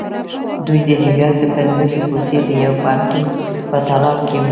دوی د نیویارک د پنځمې کوڅې د یوه پوهنتون په تالار کې وو